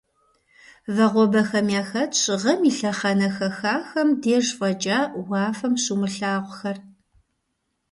Вагъуэбэхэм яхэтщ гъэм и лъэхъэнэ хэхахэм деж фӀэкӀа уафэм щумылъагъухэр.